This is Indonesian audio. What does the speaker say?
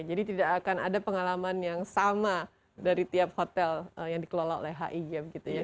jadi tidak akan ada pengalaman yang sama dari tiap hotel yang dikelola oleh higm gitu ya